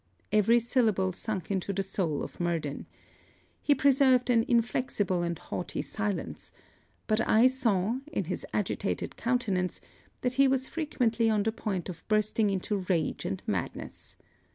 Every syllable sunk into the soul of Murden. He preserved an inflexible and haughty silence: but I saw, in his agitated countenance, that he was frequently on the point of bursting into rage and madness.